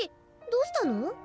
どうしたの？